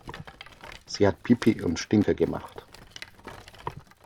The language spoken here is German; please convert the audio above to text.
Sie hat Pipi und Stinker gemacht.